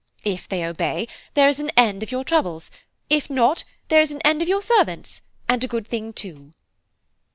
If they obey, there is an end of your troubles; if not, there is an end of your servants, and a good thing too."